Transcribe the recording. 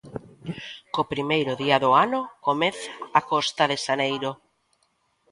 Co primeiro día do ano comeza a costa de xaneiro.